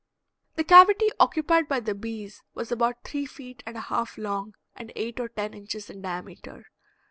The cavity occupied by the bees was about three feet and a half long and eight or ten inches in diameter.